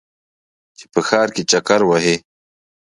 چې په ښار کې چکر وهې.